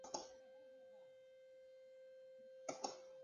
Es en serio.